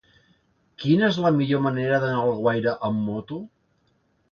Quina és la millor manera d'anar a Alguaire amb moto?